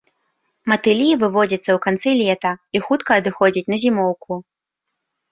Матылі выводзяцца ў канцы лета і хутка адыходзяць на зімоўку.